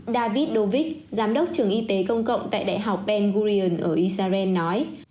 david dovich giám đốc trường y tế công cộng tại đại học ben gurion ở israel nói